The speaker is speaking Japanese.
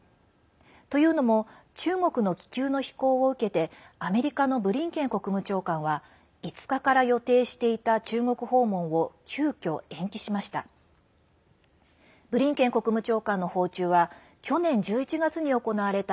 というのも中国の気球の飛行を受けてアメリカのブリンケン国務長官は５日から予定していた中国訪問を急きょ延期しました。